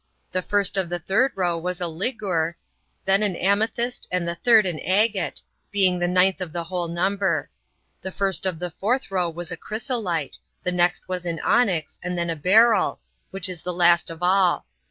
The first of the third row was a ligure, then an amethyst, and the third an agate, being the ninth of the whole number. The first of the fourth row was a chrysolite, the next was an onyx, and then a beryl, which was the last of all.